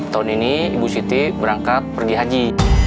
tahun ini ibu siti berangkat pergi haji